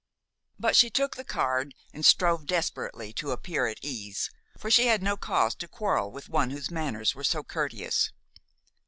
But she took the card, and strove desperately to appear at ease, for she had no cause to quarrel with one whose manners were so courteous.